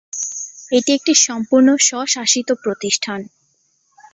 এটি একটি সম্পূর্ণ স্বশাসিত প্রতিষ্ঠান।